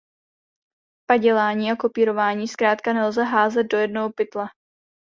Padělání a kopírování zkrátka nelze házet do jednoho pytle.